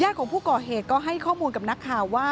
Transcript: ของผู้ก่อเหตุก็ให้ข้อมูลกับนักข่าวว่า